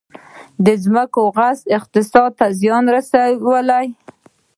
د ځمکو غصب اقتصاد ته زیان رسولی؟